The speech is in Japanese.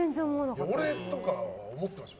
俺とかは思ってました。